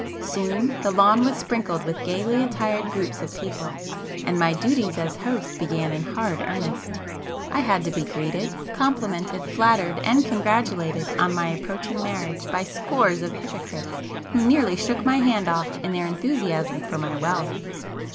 Soon the lawn was sprinkled with gaily attired groups of people,—and my duties as host began in hard earnest. I had to be greeted, complimented, flattered, and congratulated on my approaching marriage by scores of hypocrites who nearly shook my hand off in their enthusiasm for my wealth.